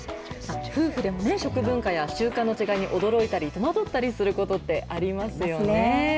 夫婦でも食文化や習慣の違いに、驚いたり戸惑ったりすることってありますよね。